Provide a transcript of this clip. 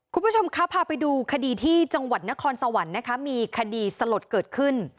คุณผู้ชมคะพาไปดูคดีที่จังหวัดนครสวรรค์นะคะมีคดีสลดเกิดขึ้น